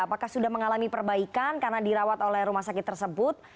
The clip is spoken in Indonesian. apakah sudah mengalami perbaikan karena dirawat oleh rumah sakit tersebut